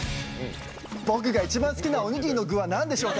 僕が一番好きなおにぎりの具はなんでしょうか？